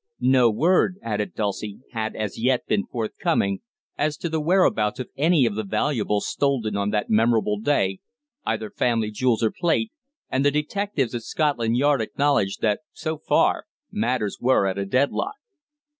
No word, added Dulcie, had as yet been forthcoming as to the whereabouts of any of the valuables stolen on that memorable day, either family jewels or plate, and the detectives at Scotland Yard acknowledged that so far matters were at a deadlock.